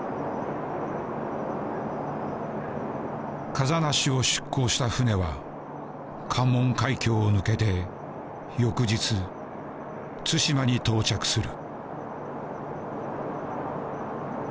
風成を出港した船は関門海峡を抜けて翌日対馬に到着する。